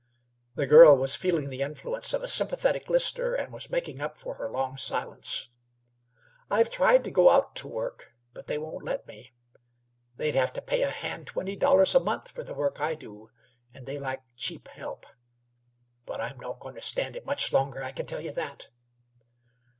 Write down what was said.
The girl was feeling the influence of a sympathetic listener and was making up for the long silence. "I've tried t' go out t' work, but they won't let me. They'd have t' pay a hand twenty dollars a month f'r the work I do, an' they like cheap help; but I'm not goin' t' stand it much longer, I can tell you that."